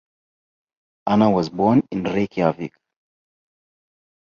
Anna was born in Reykjavik.